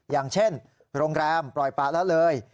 อย่างเช่นโรงแรมปล่อยปะละเลย